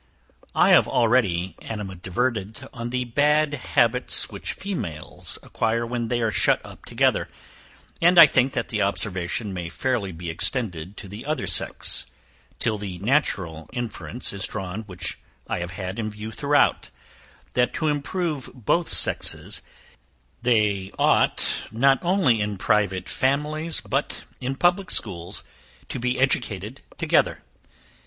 I have already animadverted on the bad habits which females acquire when they are shut up together; and I think that the observation may fairly be extended to the other sex, till the natural inference is drawn which I have had in view throughout that to improve both sexes they ought, not only in private families, but in public schools, to be educated together.